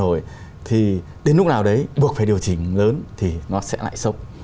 chúng thà nội thì đến lúc nào đấy buộc phải điều chỉnh lớn thì nó sẽ lại sốc